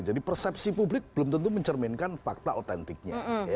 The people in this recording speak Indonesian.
jadi persepsi publik belum tentu mencerminkan fakta otentiknya